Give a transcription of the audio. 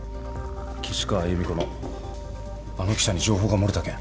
岸川由美子のあの記者に情報が漏れた件。